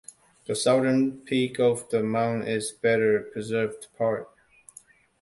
The southern peak of the mound is the better preserved part.